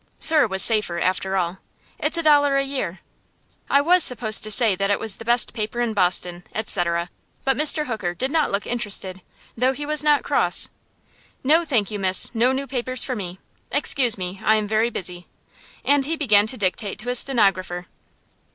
"Sir" was safer, after all. "It's a dollar a year." I was supposed to say that it was the best paper in Boston, etc., but Mr. Hooker did not look interested, though he was not cross. "No, thank you, Miss; no new papers for me. Excuse me, I am very busy." And he began to dictate to a stenographer.